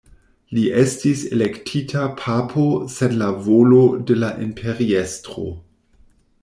Li estis elektita papo sen la volo de la imperiestro.